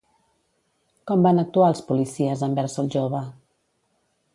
Com van actuar els policies envers el jove?